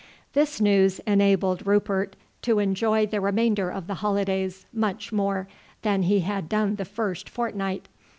This news enabled Rupert to enjoy the remainder of the holidays much more than he had done the first fortnight.